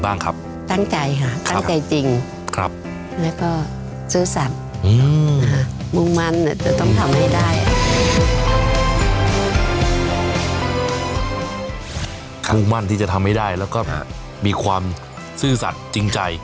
มุ่งมั่นที่จะทำให้ได้แล้วก็มีความซื่อสัตว์จริงใจ